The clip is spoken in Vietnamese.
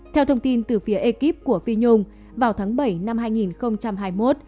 theo thông tin từ phía ekip của phi nhung vào tháng bảy năm hai nghìn hai mươi một